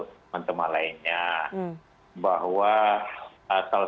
bagaimana cara mengkritik pemerintah tanpa dipanggil polisi